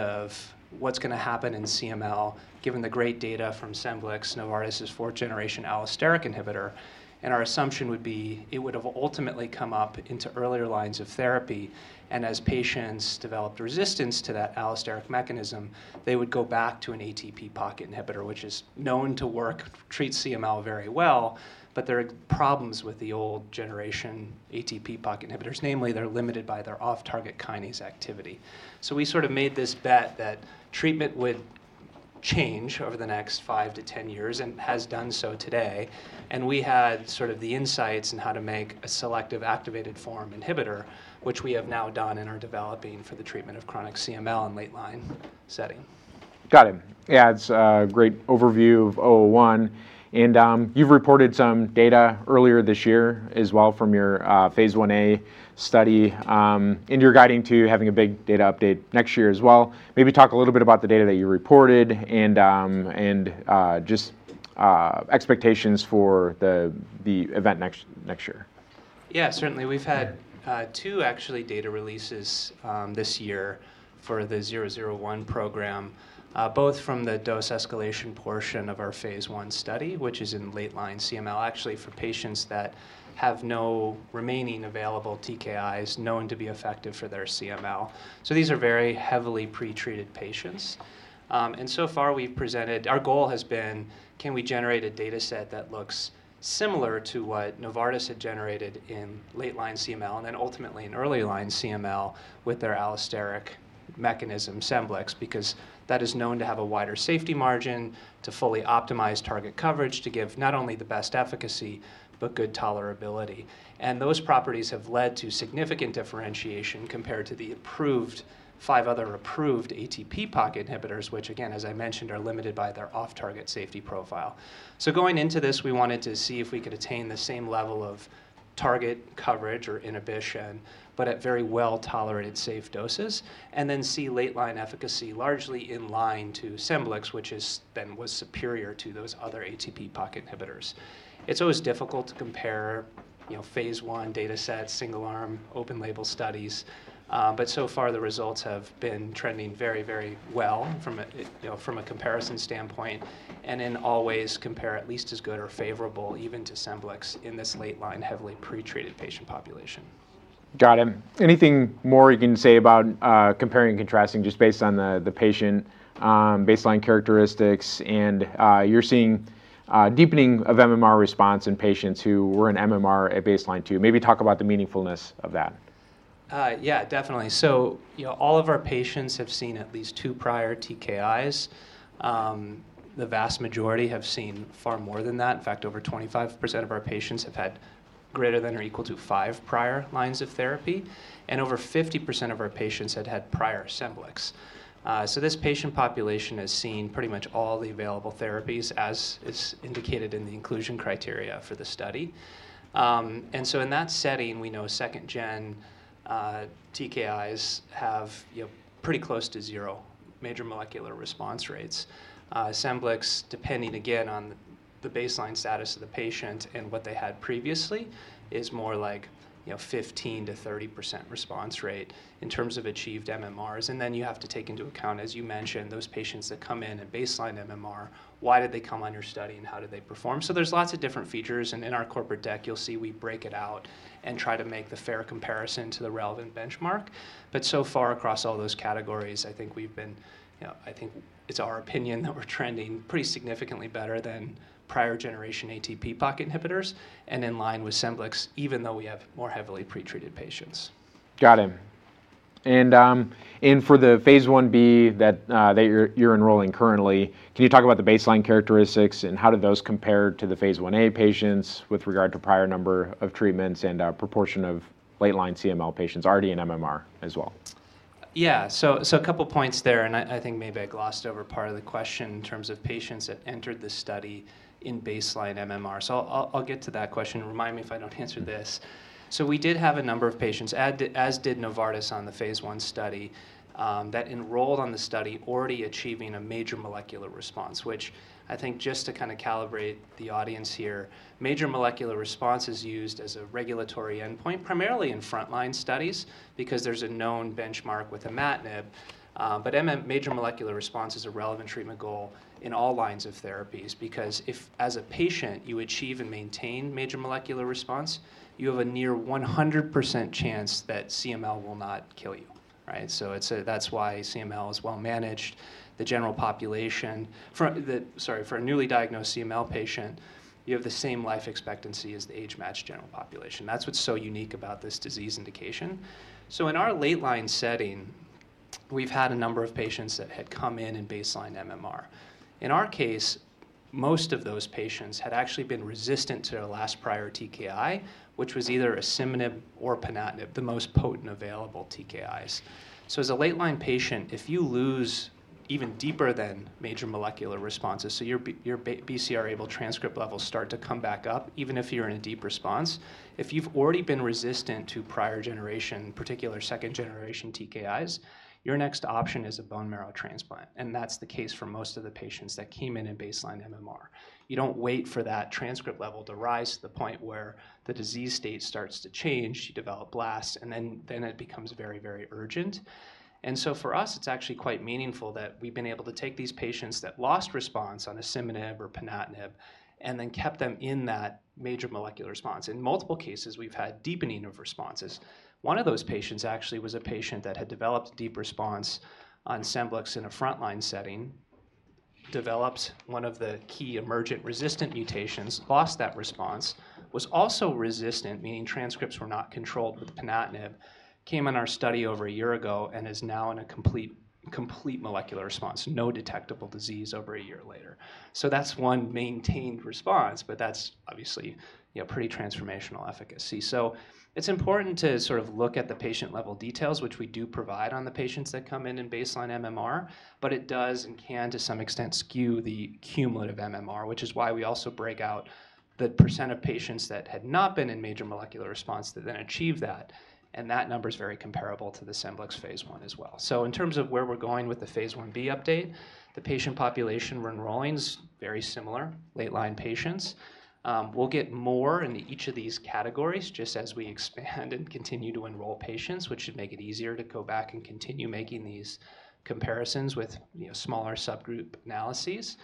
Of what's going to happen in CML, given the great data from Scemblix, Novartis' fourth-generation allosteric inhibitor, and our assumption would be it would have ultimately come up into earlier lines of therapy. And as patients developed resistance to that allosteric mechanism, they would go back to an ATP-pocket inhibitor, which is known to work, treat CML very well, but there are problems with the old-generation ATP-pocket inhibitors, namely they're limited by their off-target kinase activity. So we sort of made this bet that treatment would change over the next 5 to 10 years and has done so today. And we had sort of the insights in how to make a selective activated form inhibitor, which we have now done and are developing for the treatment of chronic CML in late-line setting. Got it. Yeah, that's a great overview of 01. And you've reported some data earlier this year as well from your phase I-A study, and you're guiding to having a big data update next year as well. Maybe talk a little bit about the data that you reported and just expectations for the event next year. Yeah, certainly. We've had two, actually, data releases this year for the 001 program, both from the dose escalation portion of our phase I study, which is in late-line CML, actually for patients that have no remaining available TKIs known to be effective for their CML. So these are very heavily pretreated patients. And so far we've presented. Our goal has been, can we generate a data set that looks similar to what Novartis had generated in late-line CML and then ultimately in early-line CML with their allosteric mechanism, Scemblix, because that is known to have a wider safety margin to fully optimize target coverage to give not only the best efficacy but good tolerability. And those properties have led to significant differentiation compared to the approved five other approved ATP-pocket inhibitors, which, again, as I mentioned, are limited by their off-target safety profile. So going into this, we wanted to see if we could attain the same level of target coverage or inhibition, but at very well-tolerated safe doses, and then see late-line efficacy largely in line to Scemblix, which then was superior to those other ATP-pocket inhibitors. It's always difficult to compare phase I data sets, single-arm, open-label studies, but so far the results have been trending very, very well from a comparison standpoint and then always compare at least as good or favorable even to Scemblix in this late-line heavily pretreated patient population. Got it. Anything more you can say about comparing and contrasting just based on the patient baseline characteristics and you're seeing deepening of MMR response in patients who were in MMR at baseline, too? Maybe talk about the meaningfulness of that. Yeah, definitely, so all of our patients have seen at least two prior TKIs. The vast majority have seen far more than that. In fact, over 25% of our patients have had greater than or equal to five prior lines of therapy, and over 50% of our patients had had prior Scemblix. So this patient population has seen pretty much all the available therapies, as is indicated in the inclusion criteria for the study, and so in that setting, we know second-gen TKIs have pretty close to zero major molecular response rates. Scemblix, depending again on the baseline status of the patient and what they had previously, is more like 15%-30% response rate in terms of achieved MMRs. And then you have to take into account, as you mentioned, those patients that come in at baseline MMR, why did they come on your study and how did they perform? So there's lots of different features, and in our corporate deck, you'll see we break it out and try to make the fair comparison to the relevant benchmark. But so far across all those categories, I think we've been, I think it's our opinion that we're trending pretty significantly better than prior-generation ATP pocket inhibitors and in line with Scemblix, even though we have more heavily pretreated patients. Got it. And for the phase I-B that you're enrolling currently, can you talk about the baseline characteristics and how do those compare to the phase I-A patients with regard to prior number of treatments and proportion of late-line CML patients already in MMR as well? Yeah, so a couple of points there, and I think maybe I glossed over part of the question in terms of patients that entered the study in baseline MMR. So I'll get to that question. Remind me if I don't answer this. So we did have a number of patients, as did Novartis on the phase I study, that enrolled on the study already achieving a major molecular response, which I think just to kind of calibrate the audience here, major molecular response is used as a regulatory endpoint, primarily in front-line studies because there's a known benchmark with imatinib, but major molecular response is a relevant treatment goal in all lines of therapies because if, as a patient, you achieve and maintain major molecular response, you have a near 100% chance that CML will not kill you, right? So that's why CML is well-managed. The general population, sorry, for a newly diagnosed CML patient, you have the same life expectancy as the age-matched general population. That's what's so unique about this disease indication. So in our late-line setting, we've had a number of patients that had come in in baseline MMR. In our case, most of those patients had actually been resistant to their last prior TKI, which was either a Scemblix or Ponatinib, the most potent available TKIs. So as a late-line patient, if you lose even deeper than major molecular responses, so your BCR-ABL transcript levels start to come back up, even if you're in a deep response, if you've already been resistant to prior-generation, particularly second-generation TKIs, your next option is a bone marrow transplant. And that's the case for most of the patients that came in in baseline MMR. You don't wait for that transcript level to rise to the point where the disease state starts to change, you develop blasts, and then it becomes very, very urgent. And so for us, it's actually quite meaningful that we've been able to take these patients that lost response on a Scemblix or Ponatinib and then kept them in that major molecular response. In multiple cases, we've had deepening of responses. One of those patients actually was a patient that had developed deep response on Scemblix in a front-line setting, developed one of the key emergent resistant mutations, lost that response, was also resistant, meaning transcripts were not controlled with Ponatinib, came on our study over a year ago and is now in a complete molecular response, no detectable disease over a year later. So that's one maintained response, but that's obviously pretty transformational efficacy. It's important to sort of look at the patient-level details, which we do provide on the patients that come in in baseline MMR, but it does and can to some extent skew the cumulative MMR, which is why we also break out the percent of patients that had not been in major molecular response that then achieved that. That number is very comparable to the Scemblix phase I as well. In terms of where we're going with the phase I-b update, the patient population we're enrolling is very similar, late-line patients. We'll get more in each of these categories just as we expand and continue to enroll patients, which should make it easier to go back and continue making these comparisons with smaller subgroup analyses.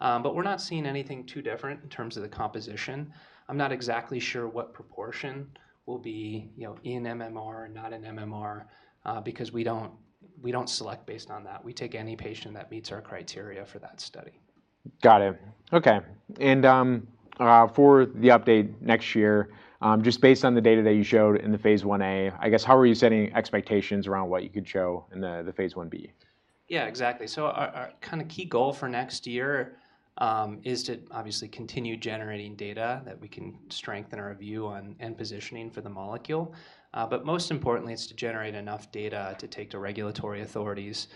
We're not seeing anything too different in terms of the composition. I'm not exactly sure what proportion will be in MMR and not in MMR because we don't select based on that. We take any patient that meets our criteria for that study. Got it. Okay, and for the update next year, just based on the data that you showed in the phase I-A, I guess how are you setting expectations around what you could show in the phase I-B? Yeah, exactly. So our kind of key goal for next year is to obviously continue generating data that we can strengthen our view on and positioning for the molecule. But most importantly, it's to generate enough data to take to regulatory authorities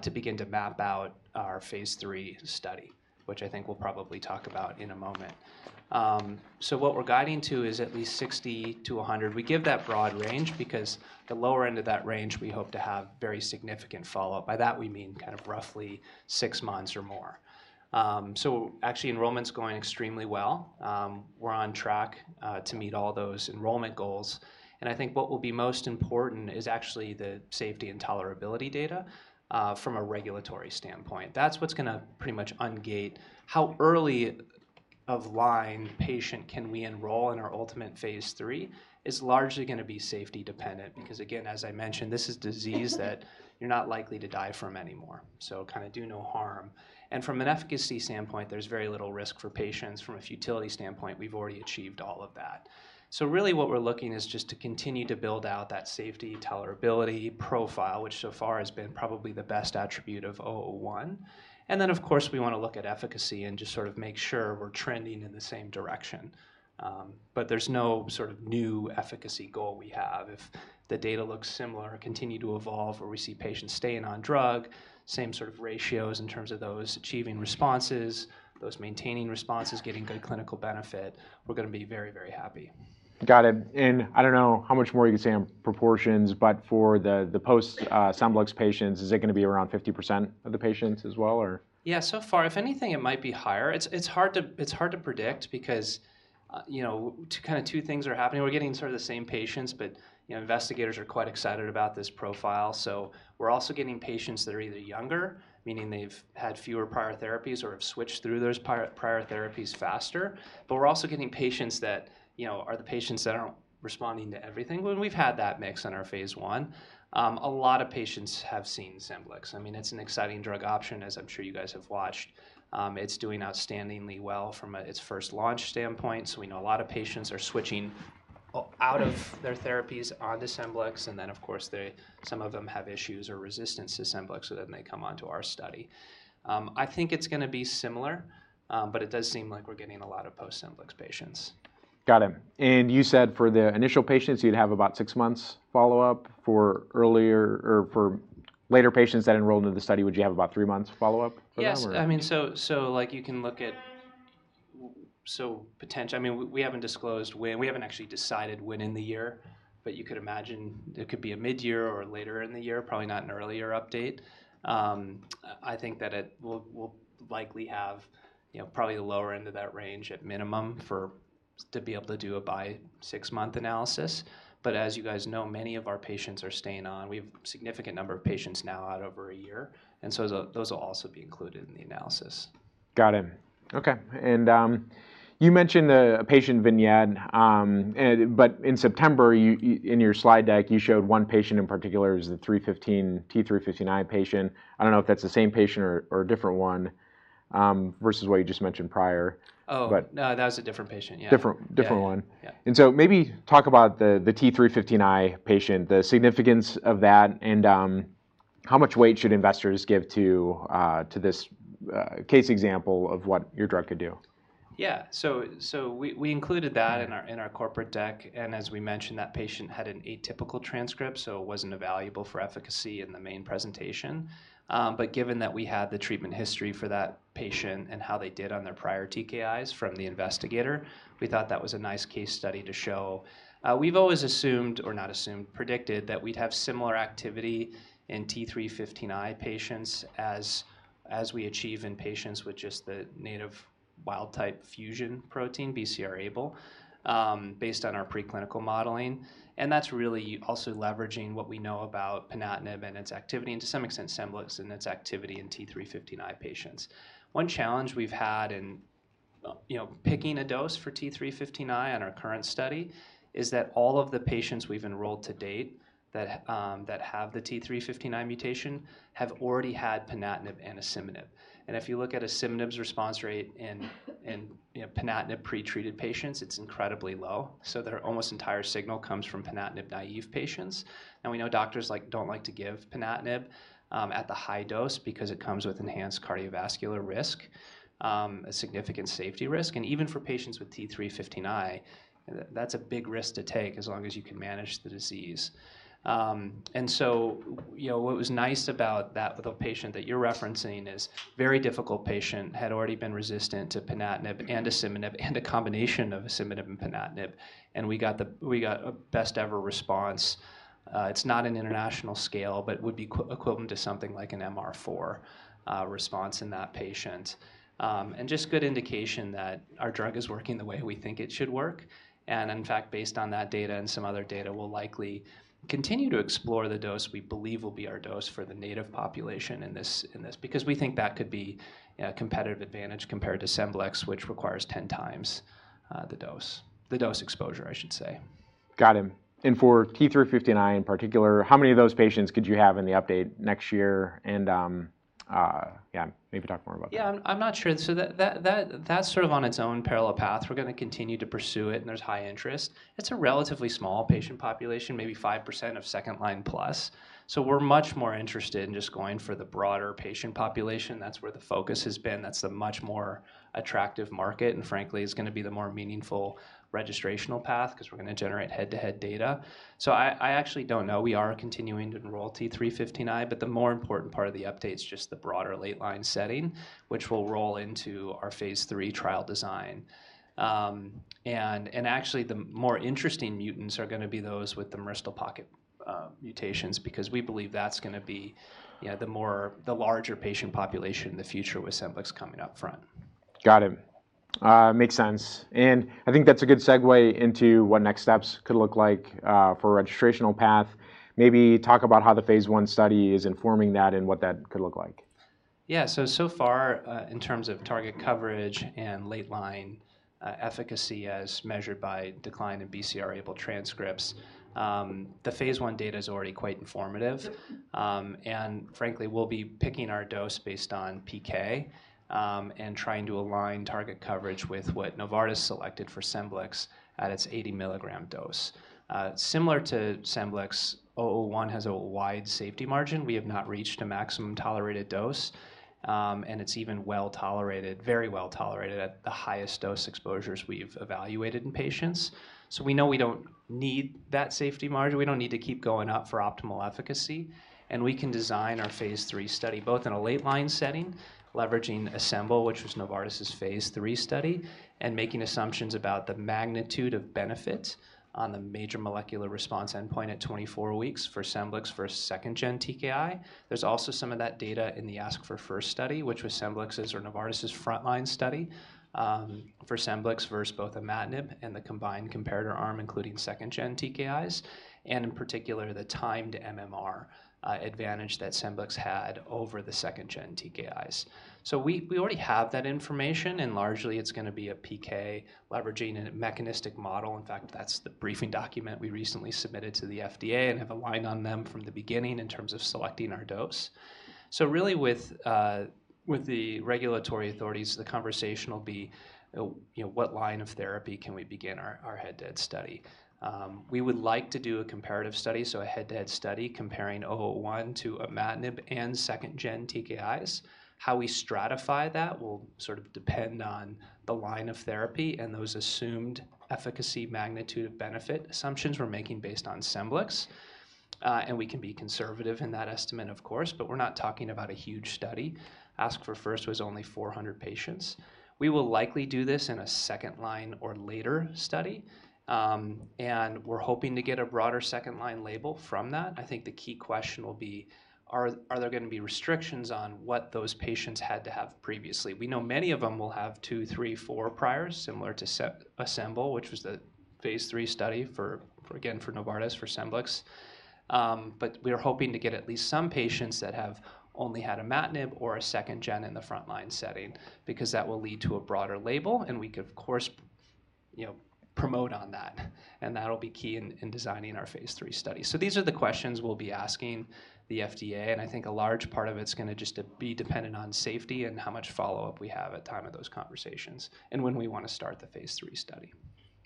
to begin to map out our phase III study, which I think we'll probably talk about in a moment. So what we're guiding to is at least 60 to 100. We give that broad range because the lower end of that range, we hope to have very significant follow-up. By that, we mean kind of roughly six months or more. So actually, enrollment's going extremely well. We're on track to meet all those enrollment goals. And I think what will be most important is actually the safety and tolerability data from a regulatory standpoint. That's what's going to pretty much ungate how early of line patient can we enroll in our ultimate phase III is largely going to be safety-dependent because, again, as I mentioned, this is disease that you're not likely to die from anymore, so kind of do no harm. And from an efficacy standpoint, there's very little risk for patients. From a futility standpoint, we've already achieved all of that. So really what we're looking is just to continue to build out that safety tolerability profile, which so far has been probably the best attribute of 01. And then, of course, we want to look at efficacy and just sort of make sure we're trending in the same direction. But there's no sort of new efficacy goal we have. If the data looks similar, continue to evolve where we see patients staying on drug, same sort of ratios in terms of those achieving responses, those maintaining responses, getting good clinical benefit, we're going to be very, very happy. Got it. And I don't know how much more you could say on proportions, but for the post-Scemblix patients, is it going to be around 50% of the patients as well, or? Yeah, so far, if anything, it might be higher. It's hard to predict because kind of two things are happening. We're getting sort of the same patients, but investigators are quite excited about this profile. So we're also getting patients that are either younger, meaning they've had fewer prior therapies or have switched through those prior therapies faster. But we're also getting patients that are the patients that aren't responding to everything. When we've had that mix in our phase I, a lot of patients have seen Scemblix. I mean, it's an exciting drug option, as I'm sure you guys have watched. It's doing outstandingly well from its first launch standpoint. So we know a lot of patients are switching out of their therapies onto Scemblix, and then, of course, some of them have issues or resistance to Scemblix, so then they come onto our study. I think it's going to be similar, but it does seem like we're getting a lot of post-Scemblix patients. Got it. And you said for the initial patients, you'd have about six months follow-up. For earlier or for later patients that enrolled into the study, would you have about three months follow-up for them? Yeah. I mean, so you can look at so potentially. I mean, we haven't actually decided when in the year, but you could imagine it could be mid-year or later in the year, probably not an earlier update. I think that we'll likely have probably the lower end of that range at minimum to be able to do a six-month analysis, but as you guys know, many of our patients are staying on. We have a significant number of patients now out over a year, and so those will also be included in the analysis. Got it. Okay. And you mentioned a patient vignette, but in September, in your slide deck, you showed one patient in particular. It was the F359V patient. I don't know if that's the same patient or a different one versus what you just mentioned prior, but. Oh, that was a different patient, yeah. Different one. And so maybe talk about the F359V patient, the significance of that, and how much weight should investors give to this case example of what your drug could do? Yeah. So we included that in our corporate deck, and as we mentioned, that patient had an atypical transcript, so it wasn't evaluable for efficacy in the main presentation. But given that we had the treatment history for that patient and how they did on their prior TKIs from the investigator, we thought that was a nice case study to show. We've always assumed, or not assumed, predicted that we'd have similar activity in F359 patients as we achieve in patients with just the native wild-type fusion protein, BCR-ABL, based on our preclinical modeling. And that's really also leveraging what we know about Ponatinib and its activity, and to some extent, Scemblix and its activity in F359V patients. One challenge we've had in picking a dose for F359 on our current study is that all of the patients we've enrolled to date that have the F359V mutation have already had Ponatinib and Scemblix. And if you look at a Scemblix's response rate in Ponatinib pretreated patients, it's incredibly low. So their almost entire signal comes from Ponatinib naive patients. And we know doctors don't like to give Ponatinib at the high dose because it comes with enhanced cardiovascular risk, a significant safety risk. And even for patients with F359V, that's a big risk to take as long as you can manage the disease. And so what was nice about that with a patient that you're referencing is a very difficult patient, had already been resistant to Ponatinib and to Scemblix and a combination of Scemblix and Ponatinib, and we got a best-ever response. It's not an international scale, but it would be equivalent to something like an MR4 response in that patient. It's just a good indication that our drug is working the way we think it should work. In fact, based on that data and some other data, we'll likely continue to explore the dose we believe will be our dose for the naïve population in this because we think that could be a competitive advantage compared to Scemblix, which requires 10 times the dose, the dose exposure, I should say. Got it. And for F359 in particular, how many of those patients could you have in the update next year? And yeah, maybe talk more about that. Yeah, I'm not sure. So that's sort of on its own parallel path. We're going to continue to pursue it, and there's high interest. It's a relatively small patient population, maybe 5% of second-line plus. So we're much more interested in just going for the broader patient population. That's where the focus has been. That's the much more attractive market and frankly is going to be the more meaningful registrational path because we're going to generate head-to-head data. So I actually don't know. We are continuing to enroll F359V, but the more important part of the update is just the broader late-line setting, which will roll into our phase III trial design. And actually, the more interesting mutants are going to be those with the myristoyl pocket mutations because we believe that's going to be the larger patient population in the future with Scemblix coming up front. Got it. Makes sense. And I think that's a good segue into what next steps could look like for a registrational path. Maybe talk about how the phase I study is informing that and what that could look like. Yeah. So far, in terms of target coverage and late-line efficacy as measured by decline in BCR-ABL transcripts, the phase I data is already quite informative. And frankly, we'll be picking our dose based on PK and trying to align target coverage with what Novartis selected for Scemblix at its 80 milligram dose. Similar to Scemblix, 01 has a wide safety margin. We have not reached a maximum tolerated dose, and it's even well tolerated, very well tolerated at the highest dose exposures we've evaluated in patients. So we know we don't need that safety margin. We don't need to keep going up for optimal efficacy. And we can design our phase III study both in a late-line setting, leveraging ASCEMBL, which was Novartis' phase III study, and making assumptions about the magnitude of benefit on the major molecular response endpoint at 24 weeks for Scemblix for second-gen TKI. There's also some of that data in the ASC4FIRST study, which was Scemblix's or Novartis' front-line study for Scemblix versus both imatinib and the combined comparator arm, including second-gen TKIs, and in particular, the time-to-MMR advantage that Scemblix had over the second-gen TKIs. So we already have that information, and largely it's going to be a PK leveraging a mechanistic model. In fact, that's the briefing document we recently submitted to the FDA and have aligned on them from the beginning in terms of selecting our dose. So really with the regulatory authorities, the conversation will be what line of therapy can we begin our head-to-head study. We would like to do a comparative study, so a head-to-head study comparing 01 to imatinib and second-gen TKIs. How we stratify that will sort of depend on the line of therapy and those assumed efficacy, magnitude, and benefit assumptions we're making based on Scemblix, and we can be conservative in that estimate, of course, but we're not talking about a huge study. ASC4FIRST was only 400 patients. We will likely do this in a second-line or later study, and we're hoping to get a broader second-line label from that. I think the key question will be, are there going to be restrictions on what those patients had to have previously? We know many of them will have two, three, four priors, similar to ASCEMBL, which was the phase III study for, again, for Novartis, for Scemblix. But we are hoping to get at least some patients that have only had imatinib or a second-gen in the front-line setting because that will lead to a broader label, and we can, of course, promote on that. And that'll be key in designing our phase III study. So these are the questions we'll be asking the FDA, and I think a large part of it's going to just be dependent on safety and how much follow-up we have at the time of those conversations and when we want to start the phase III study.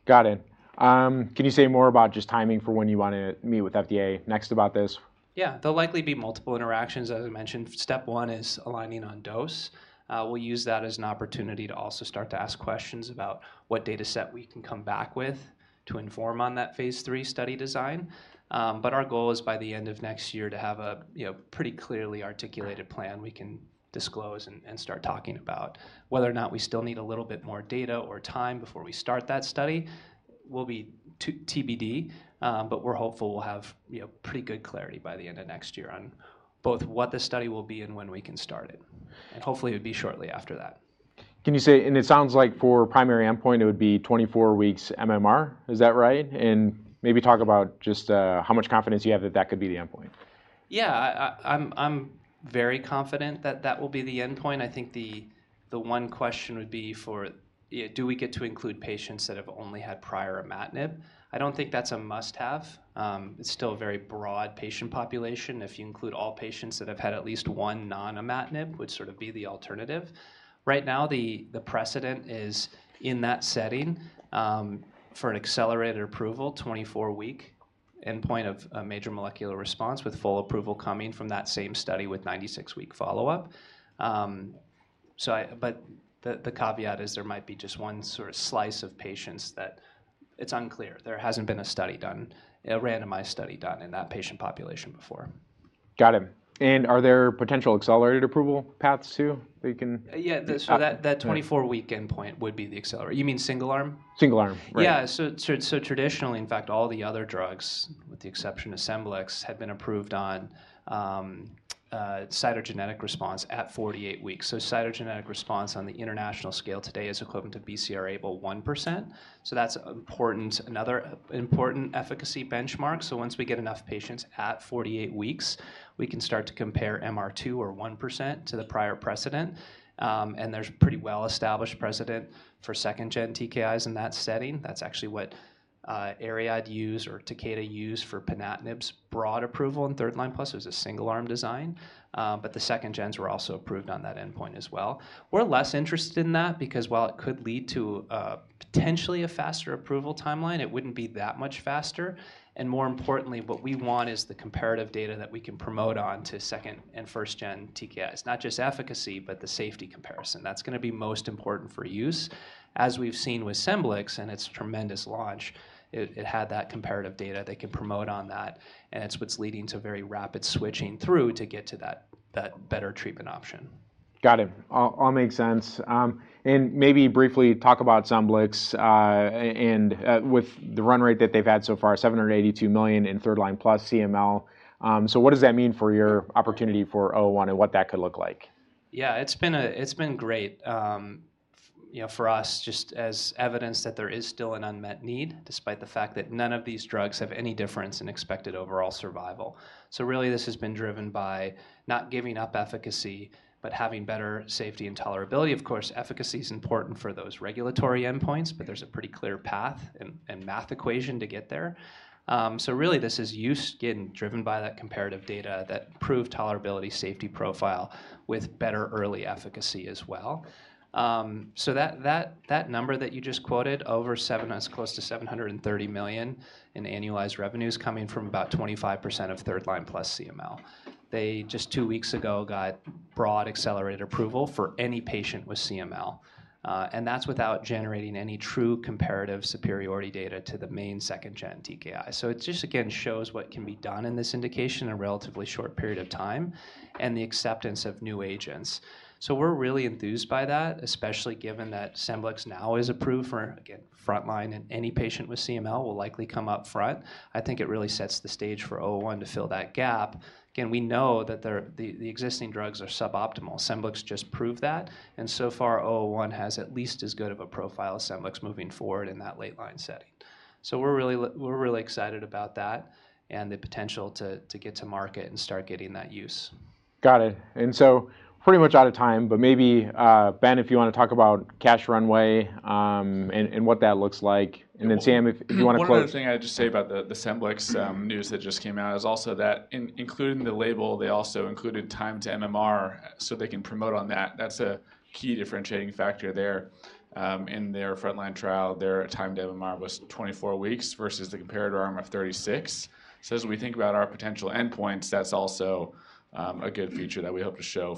Got it. Can you say more about just timing for when you want to meet with FDA next about this? Yeah. There'll likely be multiple interactions, as I mentioned. Step one is aligning on dose. We'll use that as an opportunity to also start to ask questions about what dataset we can come back with to inform on that phase III study design, but our goal is by the end of next year to have a pretty clearly articulated plan we can disclose and start talking about whether or not we still need a little bit more data or time before we start that study. We'll be TBD, but we're hopeful we'll have pretty good clarity by the end of next year on both what the study will be and when we can start it, and hopefully, it would be shortly after that. Can you say, and it sounds like for primary endpoint, it would be 24 weeks MMR, is that right? And maybe talk about just how much confidence you have that that could be the endpoint. Yeah. I'm very confident that that will be the endpoint. I think the one question would be, do we get to include patients that have only had prior imatinib? I don't think that's a must-have. It's still a very broad patient population. If you include all patients that have had at least one non-imatinib, it would sort of be the alternative. Right now, the precedent is in that setting for an accelerated approval, 24-week endpoint of a major molecular responsewith full approval coming from that same study with 96-week follow-up. But the caveat is there might be just one sort of slice of patients that it's unclear. There hasn't been a study done, a randomized study done in that patient population before. Got it. And are there potential accelerated approval paths too that you can? Yeah. So that 24-week endpoint would be the accelerated. You mean single-arm? Single-arm, right. Yeah, so traditionally, in fact, all the other drugs, with the exception of Scemblix, had been approved on cytogenetic response at 48 weeks. Cytogenetic response on the international scale today is equivalent to BCR-ABL 1%. That's another important efficacy benchmark. Once we get enough patients at 48 weeks, we can start to compare MR2 or 1% to the prior precedent, and there's a pretty well-established precedent for second-gen TKIs in that setting. That's actually what ARIAD used or Takeda used for Ponatinib's broad approval in third-line plus. It was a single-arm design, but the second-gens were also approved on that endpoint as well. We're less interested in that because while it could lead to potentially a faster approval timeline, it wouldn't be that much faster. More importantly, what we want is the comparative data that we can promote on to second and first-gen TKIs, not just efficacy, but the safety comparison. That's going to be most important for use. As we've seen with Scemblix, and its tremendous launch, it had that comparative data they can promote on that, and it's what's leading to very rapid switching through to get to that better treatment option. Got it. All makes sense. And maybe briefly talk about Scemblix and with the run rate that they've had so far, $782 million in third-line plus CML. So what does that mean for your opportunity for 01 and what that could look like? Yeah. It's been great for us just as evidence that there is still an unmet need, despite the fact that none of these drugs have any difference in expected overall survival. So really, this has been driven by not giving up efficacy, but having better safety and tolerability. Of course, efficacy is important for those regulatory endpoints, but there's a pretty clear path and math equation to get there. So really, this is used and driven by that comparative data that proved tolerability, safety profile with better early efficacy as well. So that number that you just quoted, over 7, that's close to $730 million in annualized revenues coming from about 25% of third-line plus CML. They just two weeks ago got broad accelerated approval for any patient with CML, and that's without generating any true comparative superiority data to the main second-gen TKI. So it just, again, shows what can be done in this indication in a relatively short period of time and the acceptance of new agents. So we're really enthused by that, especially given that Scemblix now is approved for, again, front-line and any patient with CML will likely come up front. I think it really sets the stage for 01 to fill that gap. Again, we know that the existing drugs are suboptimal. Scemblix just proved that. And so far, 01 has at least as good of a profile as Scemblix moving forward in that late-line setting. So we're really excited about that and the potential to get to market and start getting that use. Got it. And so pretty much out of time, but maybe Ben, if you want to talk about cash runway and what that looks like. And then Sam, if you want to close. One other thing I'd just say about the Scemblix news that just came out is also that including the label, they also included time-to-MMR so they can promote on that. That's a key differentiating factor there. In their front-line trial, their time-to-MMR was 24 weeks versus the comparator arm of 36. So as we think about our potential endpoints, that's also a good feature that we hope to show.